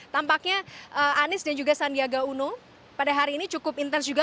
tampaknya anies dan juga sandiaga uno pada hari ini cukup intens juga